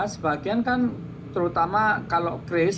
sebagian kan terutama kalau grace